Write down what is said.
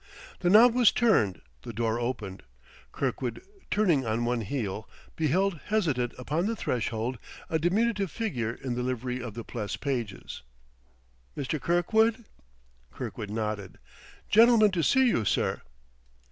The knob was turned, the door opened. Kirkwood, turning on one heel, beheld hesitant upon the threshold a diminutive figure in the livery of the Pless pages. "Mr. Kirkwood?" Kirkwood nodded. "Gentleman to see you, sir."